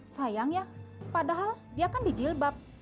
sayang ya padahal dia kan di jilbab